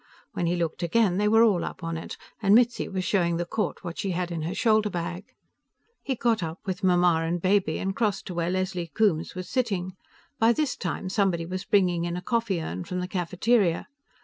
When he looked again, they were all up on it, and Mitzi was showing the court what she had in her shoulder bag. He got up, with Mamma and Baby, and crossed to where Leslie Coombes was sitting. By this time, somebody was bringing in a coffee urn from the cafeteria.